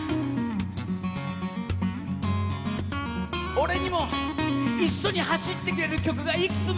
俺にも一緒に走ってくれる曲がいくつもある。